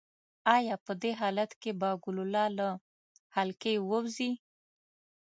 ایا په دې حالت کې به ګلوله له حلقې ووځي؟